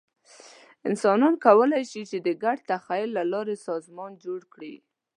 انسانان کولی شي، چې د ګډ تخیل له لارې سازمان جوړ کړي.